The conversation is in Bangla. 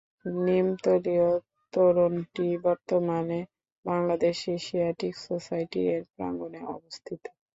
নিমতলীর তোরণটি বর্তমানে বাংলাদেশ এশিয়াটিক সোসাইটি এর প্রাঙ্গণে অবস্থিত।